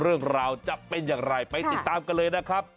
เรื่องราวจะเป็นอย่างไรไปติดตามกันเลยนะครับ